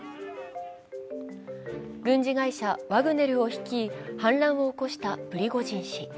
軍事会社ワグネルを率い、反乱を起こしたプリゴジン氏。